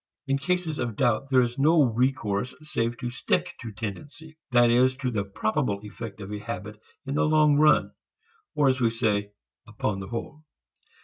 In cases of doubt, there is no recourse save to stick to "tendency," that is, to the probable effect of a habit in the long run, or as we say upon the whole.